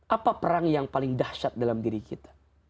apa perang yang paling dahsyat dalam diri kita